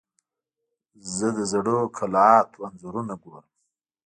زه د زړو قلعاتو انځورونه ګورم.